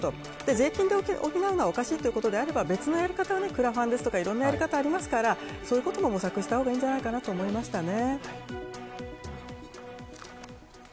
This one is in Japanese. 税金で補うのはおかしいということであれば別のやり方をクラファンとかそういうやり方があるのでそういうのを模索した方がいいんじゃないかと思いましたね。